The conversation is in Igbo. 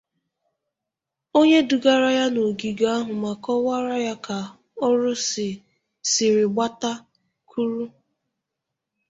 onye dugharịrị ya n'ogige ahụ ma kọwaara ya ka ọrụ siri gbata kwụrụ.